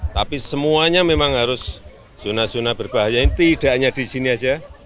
tapi semuanya memang harus zona zona berbahaya ini tidak hanya di sini saja